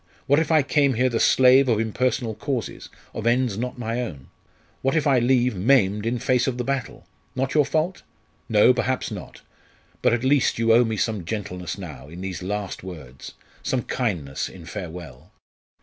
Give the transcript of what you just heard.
What if I came here the slave of impersonal causes, of ends not my own? What if I leave maimed in face of the battle? Not your fault? No, perhaps not! but, at least, you owe me some gentleness now, in these last words some kindness in farewell."